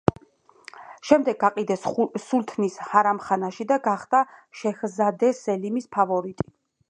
შემდეგ გაყიდეს სულთნის ჰარამხანაში და გახდა შეჰზადე სელიმის ფავორიტი.